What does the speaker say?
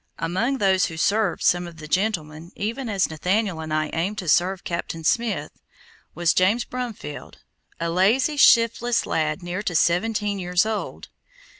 Among those who served some of the gentlemen even as Nathaniel and I aimed to serve Captain Smith, was James Brumfield, a lazy, shiftless lad near to seventeen years old.